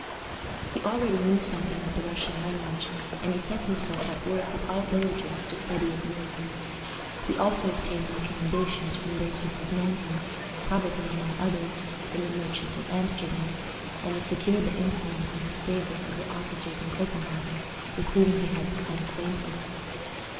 He already knew something of the Russian language, and he set himself at work with all diligence to study it more. He also obtained recommendations from those who had known him probably, among others, from the merchant in Amsterdam, and he secured the influence in his favor of the officers in Copenhagen with whom he had become acquainted.